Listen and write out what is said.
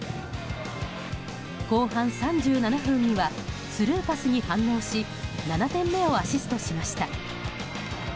後半３７分にはスルーパスに反応し７点目をアシストしました。